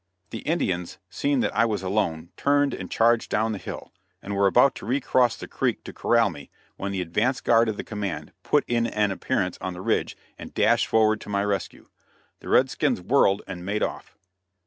The Indians, seeing that I was alone, turned and charged down the hill, and were about to re cross the creek to corral me, when the advance guard of the command put in an appearance on the ridge, and dashed forward to my rescue. The red skins whirled and made off.